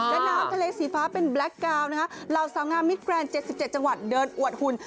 และน้ำทะเลสีฟ้าเป็นแบล็คกาวนะฮะเราเศร้างามิดแกรนด์เจ็ดสิบเจ็ดจังหวัดเดินอวดหุ่น